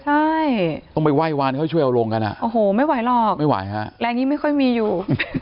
ใช่ต้องไปไหว้วานเขาช่วยเอาลงกันอ่ะโอ้โหไม่ไหวหรอกไม่ไหวฮะแรงยิ่งไม่ค่อยมีอยู่